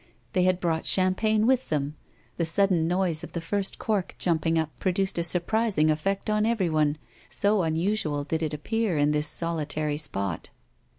They had brought champagne with them; the sudden noise of the first cork jumping up produced a surprising effect on everyone, so unusual did it appear in this solitary spot.